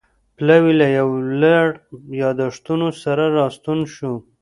پلاوی له یو لړ یادښتونو سره راستون شو.